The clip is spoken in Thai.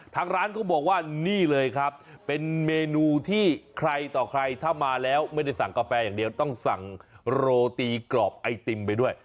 ทางร้านก็บอกว่านี่เลยครับเป็นเมนูที่ใครต่อใครถ้ามาแล้วไม่ได้สั่งกาแฟอย่างเดียวต้องสั่งโรตีกรอบไอติมไปด้วย